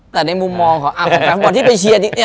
แต่ในมุมมองของแฟนฟุตบอลที่ไปเชียร์เนี่ย